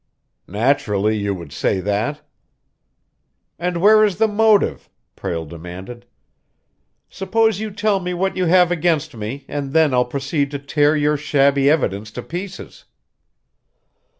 "Naturally, you would say that." "And where is the motive?" Prale demanded. "Suppose you tell me what you have against me, and then I'll proceed to tear your shabby evidence to pieces."